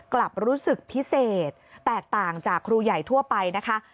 รู้สึกพิเศษแตกต่างจากครูใหญ่ทั่วไปนะคะ